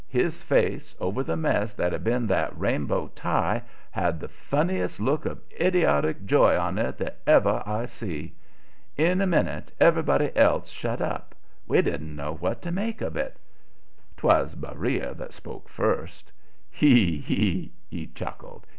his face, over the mess that had been that rainbow necktie, had the funniest look of idiotic joy on it that ever I see. In a minute everybody else shut up. We didn't know what to make of it. 'Twas Beriah that spoke first. "He! he! he!" he chuckled.